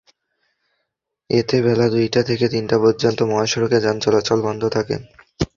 এতে বেলা দুইটা থেকে তিনটা পর্যন্ত মহাসড়কে যান চলাচল বন্ধ থাকে।